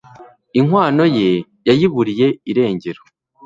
Inkwano ye yayiburiye irengero